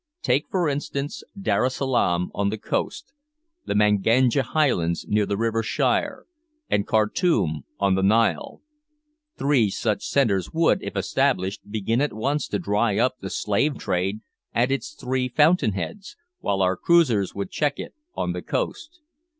Take, for instance, Darra Salaam on the coast, the Manganja highlands near the river Shire, and Kartoum on the Nile. Three such centres would, if established, begin at once to dry up the slave trade at its three fountain heads, while our cruisers would check it on the coast.